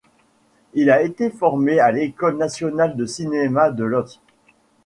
Il a été formé à l'École nationale de cinéma de Łódź.